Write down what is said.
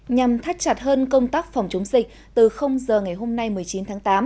nhằm thắt chặt hơn công tác phòng chống dịch từ giờ ngày hôm nay một mươi chín tháng tám